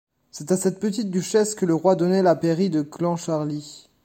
C’est à cette petite duchesse que le roi donnait la pairie de Clancharlie.